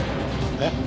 えっ？